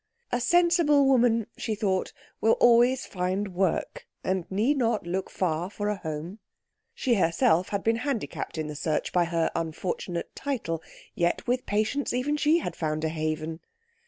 A sensible woman, she thought, will always find work, and need not look far for a home. She herself had been handicapped in the search by her unfortunate title, yet with patience even she had found a haven.